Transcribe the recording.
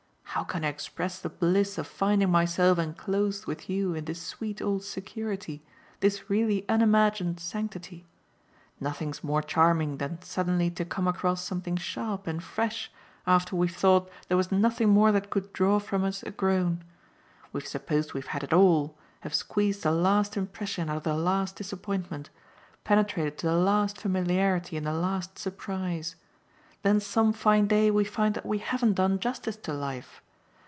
How can I express the bliss of finding myself enclosed with you in this sweet old security, this really unimagined sanctity? Nothing's more charming than suddenly to come across something sharp and fresh after we've thought there was nothing more that could draw from us a groan. We've supposed we've had it all, have squeezed the last impression out of the last disappointment, penetrated to the last familiarity in the last surprise; then some fine day we find that we haven't done justice to life.